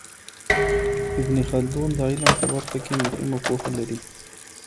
ابن خلدون د علم په برخه کي مهمه پوهه لري.